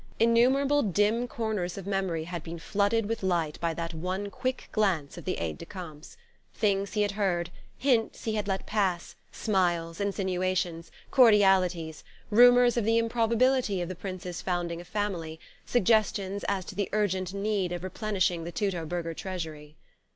Innumerable dim corners of memory had been flooded with light by that one quick glance of the aide de camp's: things he had heard, hints he had let pass, smiles, insinuations, cordialities, rumours of the improbability of the Prince's founding a family, suggestions as to the urgent need of replenishing the Teutoburger treasury....